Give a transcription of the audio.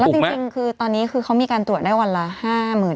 ถูกไหมตอนนี้เขามีการตรวจได้วันละ๕๐๐๐๐อ่ะฮะ